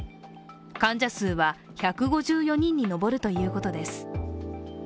患者数は１５４人に上るということです。